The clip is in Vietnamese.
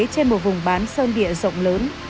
trên một vùng bán sơn địa rộng lớn